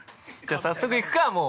早速、行くか、もう。